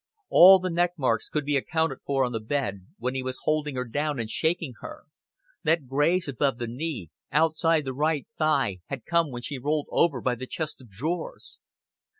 All the neck marks could be accounted for on the bed, when he was holding her down and shaking her; that graze above the knee, outside the right thigh had come when she rolled over by the chest of drawers.